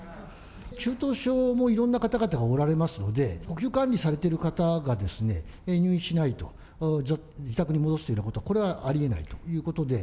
中等症もいろんな方々がおられますので、呼吸管理されてる方が入院しないと、ちょっと自宅に戻すというようなこと、これはありえないというこ